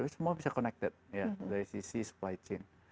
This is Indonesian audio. semua bisa connected ya dari sisi supply chain